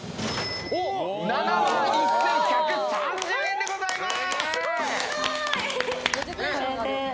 ７万１１３０円でございます。